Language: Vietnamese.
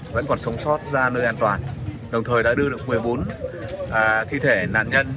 vẫn còn sống sót ra nơi an toàn đồng thời đã đưa được một mươi bốn thi thể nạn nhân